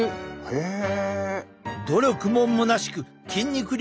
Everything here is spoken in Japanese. へえ。